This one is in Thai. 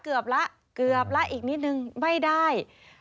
เกือบแล้วอีกนิดหนึ่งไม่ได้